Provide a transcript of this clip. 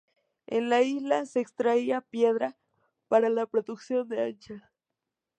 En la isla se extraía piedra para la producción de hachas.